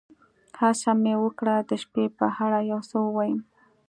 هڅه مې وکړه د شپې په اړه یو څه ووایم.